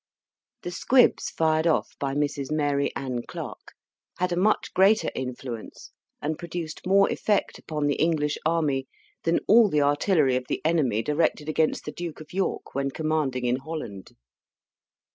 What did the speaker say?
The squibs fired off by Mrs. Mary Anne Clarke had a much greater influence, and produced more effect upon the English army, than all the artillery of the enemy directed against the Duke of York when commanding in Holland.